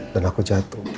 dan aku jatuh